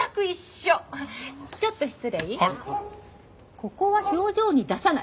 「ここは表情に出さない」